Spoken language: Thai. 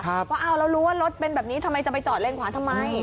ว่าอ้าวแล้วรู้ว่ารถเป็นแบบนี้ทำไมจะไปจอดเลนขวาทำไม